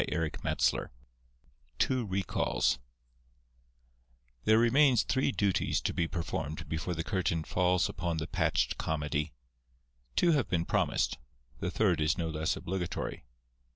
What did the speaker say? XVII TWO RECALLS There remains three duties to be performed before the curtain falls upon the patched comedy. Two have been promised: the third is no less obligatory.